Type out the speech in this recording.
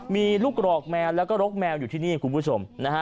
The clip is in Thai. มีลูกกรอกแมวแล้วก็รกแมวอยู่ที่นี่คุณผู้ชมนะฮะ